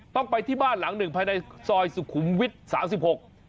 ต้องไปที่บ้านหลังหนึ่งภายในซอยสุขุมวิทย์๓๖